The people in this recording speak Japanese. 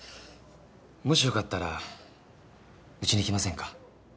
もしよかったらうちに来ませんか？